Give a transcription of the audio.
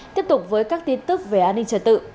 tiếp tục với các tin tức về an ninh trật tự